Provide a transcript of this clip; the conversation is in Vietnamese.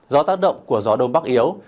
do tác động của gió đông bắc yếu